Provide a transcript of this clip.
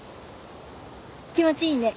気持ちいいね。